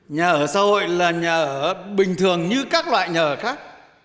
nhà ở xã hội là nhà ở bình thường như các loại nhà ở khác